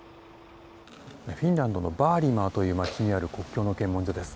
フィンランドのヴァーリマーという町にある国境の検問所です。